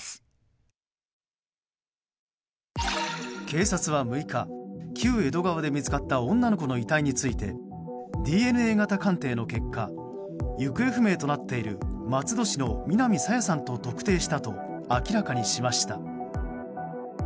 警察は６日旧江戸川で見つかった女の子の遺体についてＤＮＡ型鑑定の結果行方不明となっている松戸市の南朝芽さんと特定したと明らかにしました。